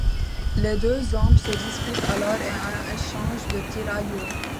Les deux hommes se disputent alors et un échange de tirs a lieu.